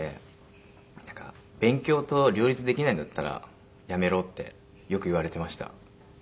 「勉強と両立できないんだったら辞めろ」ってよく言われてました。